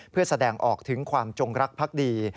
เพื่อแสดงออกถึงความจงรักพักดี